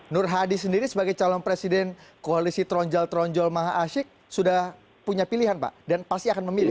nur hadi sendiri sebagai calon presiden koalisi tronjol tronjol maha asyik sudah punya pilihan pak dan pasti akan memilih